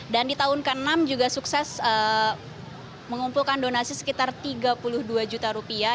dan di tahun ke enam juga sukses mengumpulkan donasi sekitar tiga puluh dua juta rupiah